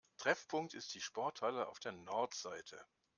Treffpunkt ist die Sporthalle auf der Nordseite.